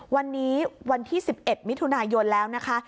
วันนี้วันที่๑๑มิถุนายนแล้วนะคะ